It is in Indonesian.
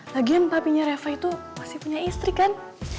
lagian papinya reva itu masih punya istri kan